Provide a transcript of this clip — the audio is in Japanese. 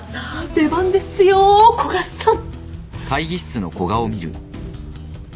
出番ですよ古賀さん。